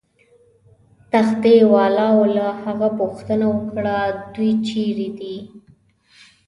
تختې والاو له هغه پوښتنه وکړه: دوی چیرې دي؟